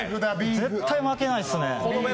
絶対負けないっすね。